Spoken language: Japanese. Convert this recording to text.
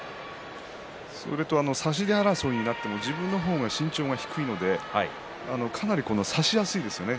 それと差し手争いになっても自分の方が身長が低いのでかなり差しやすいですよね。